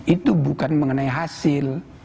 itu bukan mengenai hasil